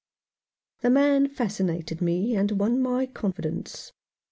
The man fascinated me and won my confidence.